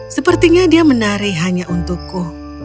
sepertinya dia menari hanya untukku